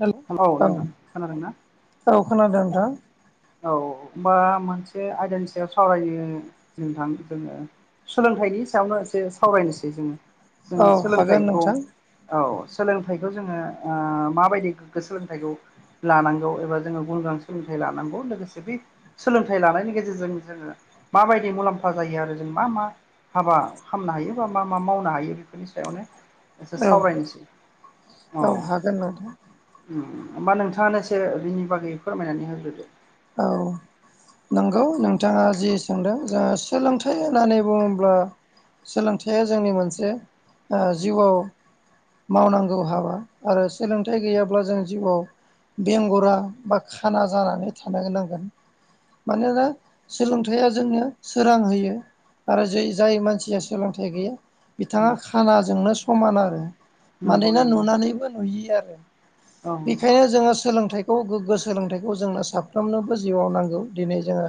हेल' औ नोंथां खोनादोंना। औ खोनादों नोंथां औ होमबा मोनसे आयदानि सायाव सावरायनो जों नोंथां जोङो। सोलोंथाइनि सायावनो एसे सावरायनोसै जोङो औ जोङो हागोन सोलोंथाइखौ। नोंथां औ सोलोंथाइखौ जोङो ओ माबायदि गोग्गो सोलोंथाइखौ। लानांगौ एबा जोङो गुन गोनां सोलोंथाइ लानांगौ लोगोसे बे सोलोंथाइ लानायनि गेजेरजों जोङो माबायदि मुलाम्फा जायो आरो जों मा मा। हाबा खामनो हायो बा मा मा मावनो हायो बेफोरनि सायावनो। एसे सावरायनोसै अ गोन नोंथां। होमबा नोंथाङानो एसे बिनि बागै फोरमायनानै होग्रोदो। औ नंगौ नोंथाङा जि सोंदों जोङो सोलोंथाइ होननानै बुङोब्ला। सोलोंथाइया जोंनि मोनसे ओ जिउआव। मावनांगौ हाबा आरो सोलोंथाइ गैयाब्ला जों जिउआव। बेंगुरा बा खाना जानानै थानो नांगोन। मानोना सोलोंथाइया जोंनो सोरां होयो। आरो जै जाय मानसिया सोलोंथाइ गैया बिथाङा खानाजोंनो समान आरो। नंगौ मानोना नंगौ नुनानैबो नुयि आरो औ बेखायनो जोङो। सोलोंथाइखौ गोग्गो सोलोंथाइखौ जोंनो साब। साफ्रोमनोबो जिउआव नांगौ दिनै जोङो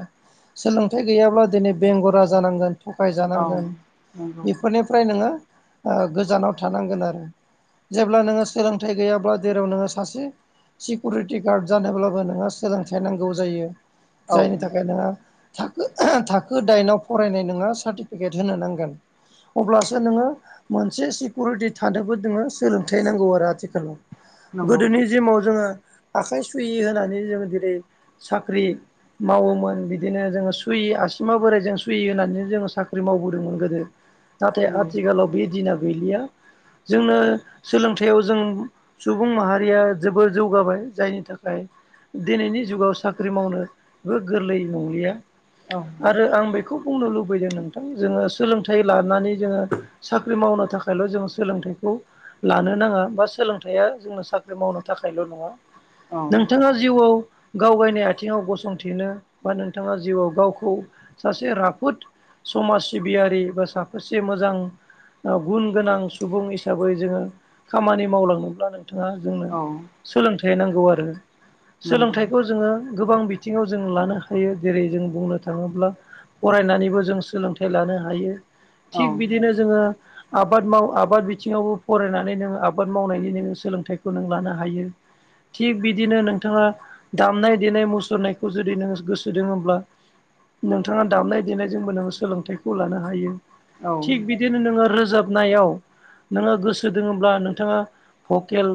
सोलोंथाइ गैयाब्ला दिनै बेंगुरा जानांगोन औ थगायजानांगोन नंगौ बेफोरनिफ्राय नोङो गोजानाव थानांगोन आरो जेब्ला नोङो सोलोंथाइ गैयाब्ला जेराव नोङो सासे सिकिउरिटि गार्ड जानोब्लाबो नोङो सोलोंथाइ नांगौ जायो औ जायनि थाखाय नोंहा थाखो थाखो दाइनआव फरायनाय नोङो सार्टिफिकेट होनो नांगोन अब्लासो नोङो मोनसे सिकिउरिटि थानोबो नोङो सोलोंथाइ नांगौ आरो आथिखालाव नंगौ गोदोनि जिमाव जोङो आखाइ सुहि होनानै जोङो जेरै साख्रि मावोमोन बिदिनो जोङो सुयि आसिमा बोराइजों सुयि होननानै जोङो साख्रि मावबोदोंमोन गोदो नाथाय नंगौ आथिखालाव बे दिना गैलिया जोंनो सोलोंथायाव जों सुबुं माहारिया जोबोर जौगाबाय जायनि थाखाय दिनैनि जुगाव साख्रि मावनोबो गोरलै नंलिया औ आरो आं बेखौ बुंनो लुबैदों नोंथां जोङो सोलोंथाइ लानानै जोङो साख्रि मावनो थाखायल' जोङो सोलोंथाइखौ लानो नाङा बा सोलोंथाइया जोंनो साख्रि मावनो थाखायल' नङा औ नोंथाङा जिउआव गावगायनि आथिङाव गसंथेनो बा नोंथाङा जिउआव गावखौ सासे राफोद समाज सिबियारि बा साफासे मोजां गुन गोनां सुबुं हिसाबै जोङो खामानि मावलांनोब्ला नोंथाङा जोंनो औ सोलोंथाइ नांगौ आरो नंगौ सोलोंथाय जोङो गोबां बिथिङाव जों लानो हायो जेरै जों बुंनो थाङोब्ला फरायनानैबो जों सोलोंथाइ लानो हायो औ थिग बिदिनो जोङो आबाद माव आबाद बिथिङावबो फरायनानै नोङो आबाद मावनायनि नोङो सोलोंथाइखौ नों लानो हायो थिग बिदिनो नोंथाङा दामनाय देनाय मुसुरनायखौ जुदि नोङो गोसो दङब्ला नोंथाङा दामनाय देनायजोंबो नोङो सोलोंथाइखौ लानो हायो औ थिग बिदि बिदिनो नोङो रोजाबनायाव नोङो गोसो दोङोब्ला नोंथाङा भकेल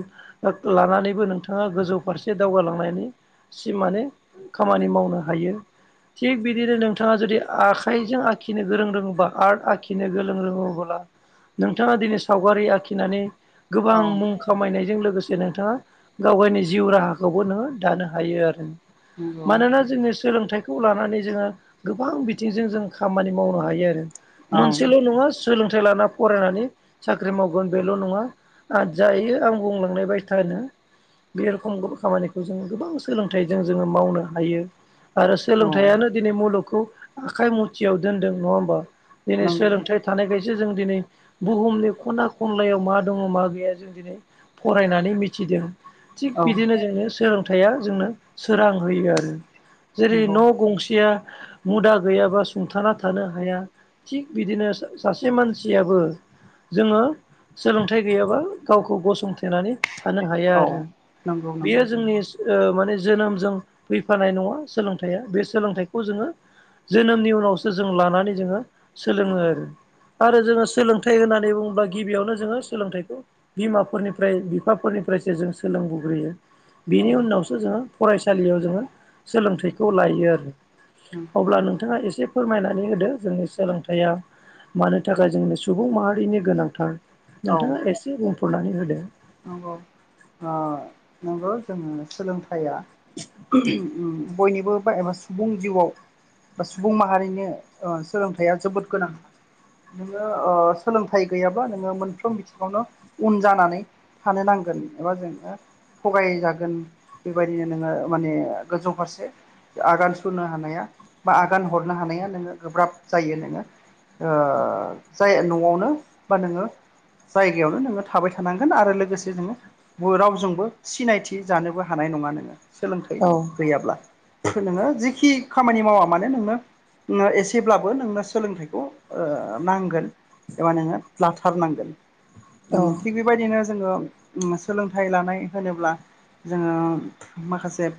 लानानैबो नोंथाङा गोजौ फारसे दावगालांनायनि सि माने खामानि मावनो हायो थिग बिदिनो नोंथाङा जुदि आखाइजों आखिनो गोरों रोङोबा आर्ट आखिनो गोरों रोङोब्ला नोंथाङा दिनै सावगारि आखिनानै गोबां मुं खामायनायजों लोगोसे नोंथाङा गावगायनि जिउ राहाखौबो नोङो दानो हायो आरो नंगौ मानोना जोंनि सोलोंथाइ खौ लानानै जोङो गोबां बिथिंजों जों खामानि मावनो हायो आरो औ मोनसेल' नङा सोलोंथाइ लाना फरायनानै साख्रि मावगोन बेल' नङा आरो जायो आं बुंलांनाय बायथानो बे रखम खामानिखौ जों गोबां सोलोंथाइजों जोङो मावनो हायो आरो सोलोंथाइयानो दिनै मुलुगखौ आखाइ मुथियाव दोनदों नङा होमबा दिनै नंगौ सोलोंथाइ थानायखायसो जों दिनै बुहुमनि खना खनलायाव मा दङ मा गैया जों दिनै फरायनानै मिथिदों थिग औ नंगौ औ बिदिनो जोंनो सोलोंथाइया जोंनो सोरां होयो आरो जेरै न' गंसेया मुदा गैयाबा सुंथाना थानो हाया थिग बिदिनो सासे मानसियाबो जोङो सोलोंथाइ गैयाबा गावखौ गसंथेनानै थानो हायो आरो नंगौ बेयो नंगौ जोंनि ओ माने जोनोमजों फैफानाय नङा सोलोंथाइया बे सोलोंथाइखौ जोङो जोनोमनि उनावसो जों लानानै जोङो सोलोङो आरो आरो जोङो सोलोंथाइ होननानै बुङोब्ला गिबियावनो जोङो सोलोंथाइखौ बिमाफोरनिफ्राय बिफाफोरनिफ्रायसो जों सोलोंबोग्रोयो औ बिनि उन नंगौ उनावसो जोङो फरायसालियाव जोङो सोलोंथाइखौ लायो आरो अब्ला नों नोंथाङा एसे फोरमायनानै होदो जोंनि सोलोंथाइया मानो थाखाय जोंनो सुबुं माहारिनि गोनांथार औ नोंथाङा एसे बुंफोरनानै होदो। नंगौ ओ नंगौ जों सोलोंथाइया बयनिबो बा एबा सुबुं जिउआव बा सुबुं माहारिनो ओ सोलोंथाइया जोबोद गोनांथार नोङो ओ सोलोंथाइ गैयाब्ला नोङो मोनफ्रोम बिथिङावनो उन जानानै हानो नांगोन एबा जों थगायजागोन बेबायदिनो नोङो माने गोजौ फारसे आगान सुरनो हानाया बा आगान हरनो हानाया नोङो गोब्राब जायो नोङो जाय न'आवनो बा नोङो जायगायावनो नोङो थाबाय थानांगोन आरो लोगोसे जोङो रावजोंबो सिनायथि जानोबो हानाय नङा नोङो सोलोंथाइ औ गैयाब्ला नोङो जिखि खामानि मावा मानोे नोंनो एसेब्लाबो नोंनो सोलोंथाइखौ ओ नांगोन एबा नोङो लाथारनांगोन औ उम थिग बे बेबायदिनो जोङो सोलोंथाइ लानाय होनोब्ला जोङो माखासे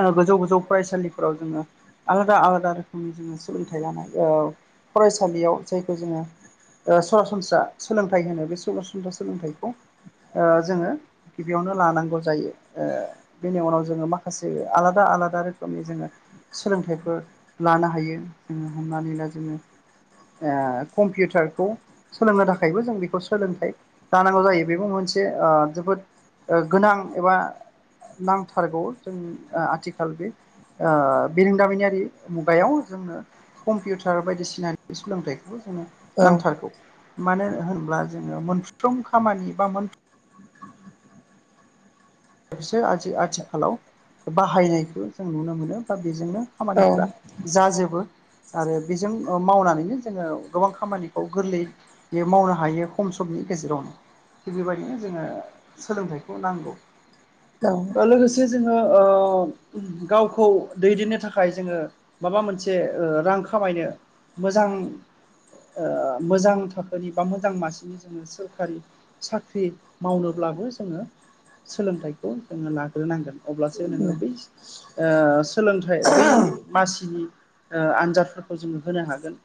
ओ गोजौ -गोजौ फरायसालिफोराव जोङो आलादा -आलादा रोखोमनि जोङो सोलोंथाइ लानाय औ फरायसालियाव जायखौ जोङो ओ सरासनस्रा सोलोंथाइ होनो बे सरासनस्रा सोलोंथाइखौ ओ जोङो गिबियावनो लानांगौ जायो ओ बेनि उनाव जोङो माखासे आलादा -आलादा रोखोमनि जोङो सोलोंथाइफोर लानो हायो जोङो हमनानै ला जोङो ओ कम्पिउटारखौ सोलोंनो थाखायबो जों खौ सोलोंथाइ लानांगौ जायो बेबो मोनसे ओ जोबोद ओ गोनां एबा नांथारगौ जों ओ आथिखाल बे ओ बिरोंदामिनयारि मुगायाव जोंनो कम्पिउटार बायदिसिनानि सोलोंथाइखौबो जोङो औ नांथारगौ मानो होनब्ला जोङो मोनफ्रोम खामानि बा सो आथिखालाव बाहायनायखौ जों नुनो मोनो बा बेजोंनो खामानिफोरा जाजोबो आरो बेजों मावनानैनो जोङो गोबां खामानिखौ गोरलैयै बे मावनो हायो खम समनि गेजेरावनो थिग बेबायदिनो जोङो सोलोंथाइखौ नांगौ औ लोगोसे जोङो गावखौ दैदेननो थाखाय जोङो माबा मोनसे रां खामायनो मोजां मोजां थाखोनि बा मोजां मासिनि ज जोङो सोरखारि साख्रि मावनोब्लाबो जोङो सोलोंथाइ जोङो लाग्रोनांगोन अब्लासो नोङो बै सोलोंथाइ बै मासिनि आनजादफोरखौ जोङो होनो हागोन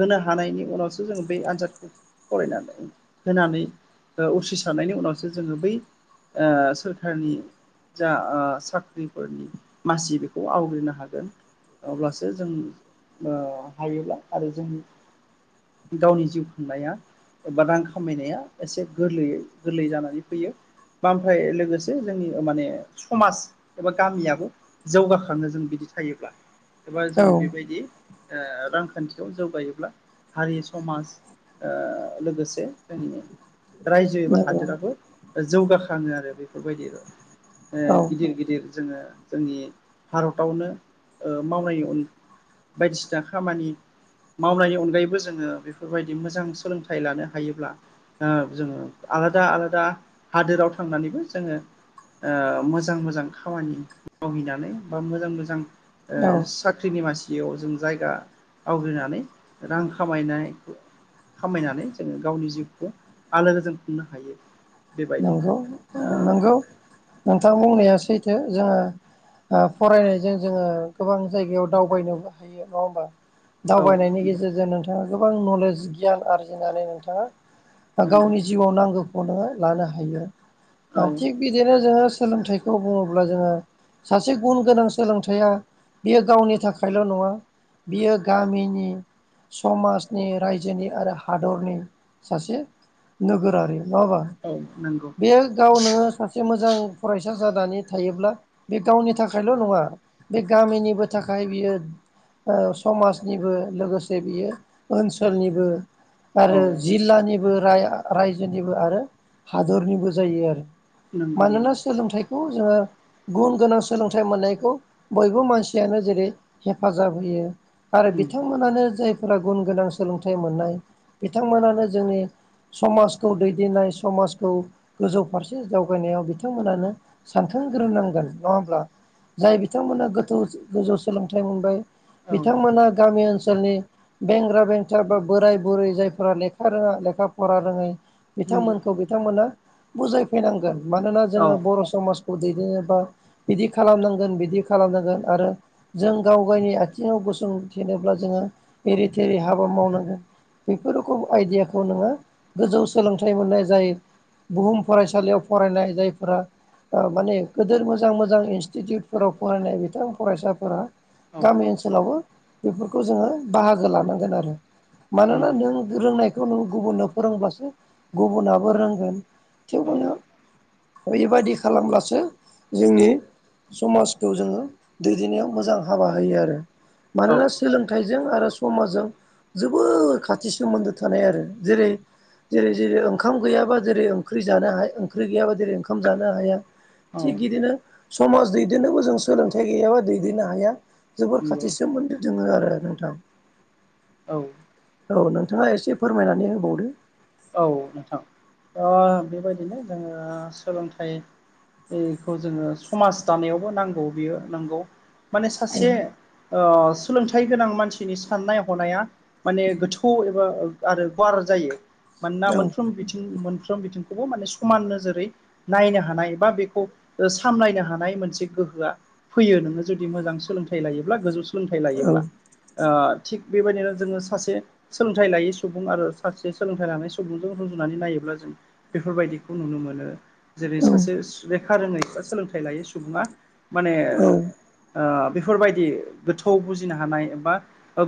होनो हानायनि उनावसो जोङो बे आनजादखौ फरायनानै होनानै उथ्रिसारनायनि उनावसो जोङो बै सोर खारनि जा साख्रिफोरनि मासि बेखौ आवग्रिनो हागोन अब्लासो जों हायोब्ला आरो जों गावनि जिउ खुंनाया एबा रां खामायनाया एसे गोरलैयै गोरलै जानानै फैयो बा ओमफ्राय लोगोसे जोंनि माने समाज एबा गामियाबो जौगाखांनो जों बिदि थायोब्ला एबा औ जों बेबायदि रांखान्थियाव जौगायोब्ला हारि समाज लोगोसे जोंनि रायजो एबा नंगौ हादोराबो जौगाखङो आरो बेफोरबायदि औ गिदिर गिदिर जोङो जोंनि भारतावनो मावनायनिन बायदिसिना खामानि मावनायनि अनगायैबो जोङो बेफोरबायदि मोजां सोलोंथाइ लानो हायोब्ला ओ जोङो आलादा आलादा हादोराव थांनानैबो जोङो मोजां मोजां खामानि मावहैनानै बा मोजां मोजां ओ औ साख्रिनि मासियाव जों जायगा आवग्रिनानै रां खामायनाय खामायनानै जोङो गावनि जिउखौ आलो गोजोन खुंनो हायो। बेबायदि नंगौ ओ नंगौ नोंथां बुंनाया सैथो जोङो फरायनायजों जोङो गोबां जायगायाव दावबायनो हायो नङा होमबा। औ दावबायनायनि नंगौ गेजेरजों नोंथाङा गोबां नलेज गियान आरजिनानै नोंथाङा नंगौ गावनि जिउआव नांगौखौ नोङो लानो हायो औ दा थिग बिदिनो जोङो सोलोंथाइ खौ बुङोब्ला जोङो सासे गुन गोनां सोलोंथाइया बेयो गावनि थाखायल' नङा, बियो गामिनि समाजनि रायजोनि आरो हादरनि सासे नोगोरारि नबा औ नंगौ। बेयो गावनो सासे मोजां फरायसा जानानै थायोब्ला बे गावनि थाखायल' नङा बे गामिनिबो थाखाय बियो समाजनिबो लोगोसे बियो ओनसोलनिबो औ आरो जिल्लानिबो राय- रायजोनिबो आरो हादरनिबो जायो आरो नंगौ मानोना नंगौ सोलोंथाइखौ जोङो गुन गोनां सोलोंथाइ मोननायखौ बयबो मानसियानो जेरै हेफाजाब होयो। आरो उम बिथांमोनानो जाय फोर गुन गोनां सोलोंथाइ मोननाय बिथांमोनानो जोंनि समाजखौ दैदेननाय समाजखौ गोजौ फारसे जावगायनायाव बिथांमोनानो सानखांग्रोनांगोन नङा होमब्ला जाय बिथांमोना गोथौ गोजौ सोलोंथाइ मोनबाय औ बिथांमोना गामि ओनसोलनि बेंग्रा बेंथ्रा बा बोराय बुरै जायफोरा लेखा रोङा लेखा फरा रोङै बिथांमोन नंगौ बिथांमोना बुजायफैनांगोन मानोना औ जोङो बर' समाजखौ दैदेननोबा बिदि खालामनांगोन बिदि खालामनांगोन आरो जों गाव गावनि आथिङाव गसं थेनोब्ला जोङो एरै थेरै हाबा मावनांगोन। बेफोर रोखम आइदियाखौ नोङो गोजौ सोलोंथाइ मोननाय जाय बुहुम फरायसालियाव फरायनाय जायफोरा माने गदिर मोजां मोजां इनस्टिटिउटफोराव फरायनाय बिथां फरायसाफोरा औ गामि ओनसोलावबो बेफोरखौ जोङो बाहागो लानांगोन आरो। मानोना नंगौ नों रोंनायखौ नों गुबुननो फोरोंब्लासो गुबुुना रोंगोन औ थेवबोनो बेबादि खालामब्लासो जोंनि समाजखौ जोङो दैदेननायाव मोजां हाबा होयो आरो। औ मानोना सोलोंथाइजों आरो समाजजों जोबोोर खाथि सोमोन्दो थानाय आरो जेरै जेरै जेरै खाम गैयाबा जेरै ओंख्रि जानो हाय ओंख्रि गैयाबा जेरै ओंखाम जानो हाया औ थिग बिदिनो समाज दैदेननोबो जों सोलोंथाइ गैयाबा दैदेननो हाया जोबोर नंगौ खाथिसोम सोमोनदो जोङो आरो नोंथां। औ। औ नोंथाङा एसे फोरमायनानै होबावदो। औ नोंथां ओ बेबायदिनो जोङो सोलोंथाइ बेखौ जोङो समाज दानायावबो नांगौ बेयो नांगौ। माने सासे ओ सोलोंथाइ गोनां मानसिनि साननाय हनाया माने गोथौ एबा आरो गुवार जायो। मानोना औ मोनफ्रोम बिथिं मोनफ्रोम बिथिंखौबो माने समान नोजोरै नायनो हानाय बा बेखौ सामलायनो हानाय मोनसे गोहोआ फैयो नोङो जुदि मोजां सोलोंथाइ लायोब्ला गोजौ सोलोंथाइ औ लायोब्ला। ओ थिग बेबायदिनो जोङो सासे सोलोंथाइ लायै सुबुं आरो सासे सोलोंथाइ लानाय सुबुंजों रुजुनानै नायोब्ला जों बेफोरबायदिखौ नुनो मोनो जेरै सासे स्टुडेनट लेखा रोङै बा सोलोंथाइ लायै सुबुङा माने औ ओ बेफोरबायदि गोथौआव बुजिनो हानाय एबा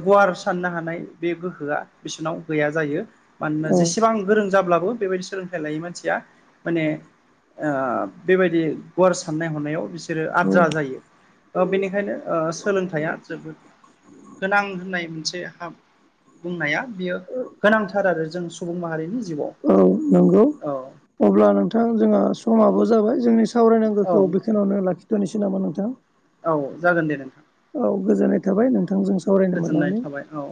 गुवार साननो हानाय बे गोहोआ बिसोरनाव गैया जायो मानोना औ जेसे बां गोरों जाब्लाबो बेबायदि सोलोंथाइ लायै मानसिया माने ओ बेबायदि गुवार साननाय हनायाव बि सोरो औ आद्रा जायो ओ बेनिखायनो ओ सोलोंथाइया जोबोद गोनां होननाय मोनसे हाब बुंनाया बियो गोनांथार आरो जों सुबुं माहारिनि जिउआव। औ नंगौ औ अब्ला नोंथां जोंहा समाबो जाबाय जोंनि औ सावरायनांगौखौ बे खिनियावनो लाखिथ'नोसै नामा नोंथां? औ जागोन दे नोंथां। औ गोजोननाय थाबाय नोंथांजों सावरायनो गोजोननाय मोननानै। थाबाय औ।